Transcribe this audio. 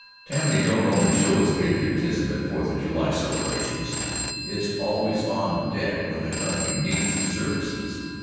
Tammany don't only show its patriotism at Fourth of July celebrations. It's always on deck when the country needs its services.